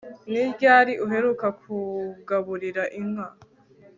Ni ryari uheruka kugaburira inka